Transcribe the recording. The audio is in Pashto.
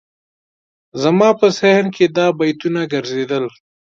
زما په ذهن کې دا بیتونه ګرځېدل.